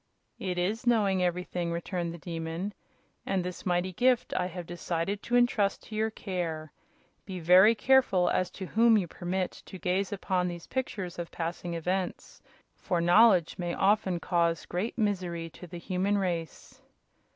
"It IS knowing everything," returning the Demon; "and this mighty gift I have decided to entrust to your care. Be very careful as to whom you permit to gaze upon these pictures of passing events, for knowledge may often cause great misery to the human race."